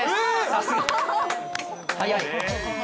さすが！早い！